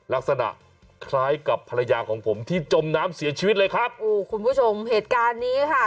ลักษณะคล้ายกับภรรยาของผมที่จมน้ำเสียชีวิตเลยครับโอ้คุณผู้ชมเหตุการณ์นี้ค่ะ